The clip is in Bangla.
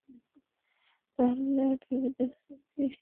তাহলে ভেবে দেখেছো কি, সে পিতা কে ছিল?